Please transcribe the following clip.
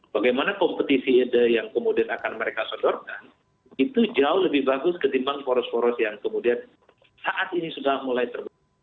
bagaimana kompetisi ide yang kemudian akan mereka sodorkan itu jauh lebih bagus ketimbang poros poros yang kemudian saat ini sudah mulai terbuka